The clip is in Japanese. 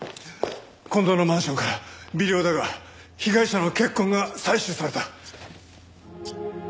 近藤のマンションから微量だが被害者の血痕が採取された。